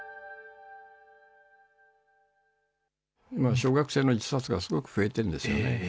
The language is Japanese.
小学生の自殺がすごく増えているんですよね。